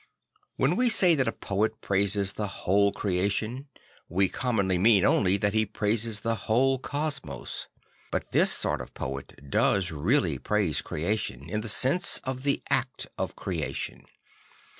\Vhen we say that a poet praises the whole creation, we commonly mean only that he praises the whole cosmos. But this sort of poet does really praise creation, in the sense of the act of creation.